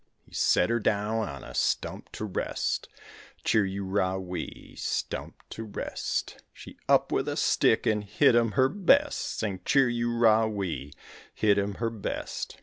He set her down on a stump to rest, Chir u ra wee, stump to rest; She up with a stick and hit him her best. Sing chir u ra wee, hit him her best.